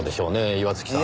岩月さん。